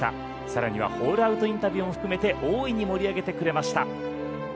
さらにはホールアウトインタビューも含めて大いに盛り上げてくれました。